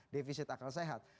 defisit akal sehat